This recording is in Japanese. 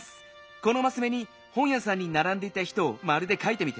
このマスめにほんやさんにならんでいた人をまるでかいてみて。